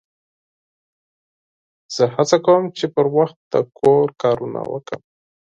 زه هڅه کوم، چي پر وخت د کور کارونه وکم.